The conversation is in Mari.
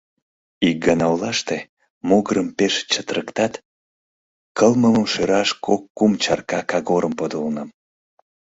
— Ик гана олаште могырым пеш чытырыктат, кылмымым шӧраш кок-кум чарка «Кагорым» подылынам.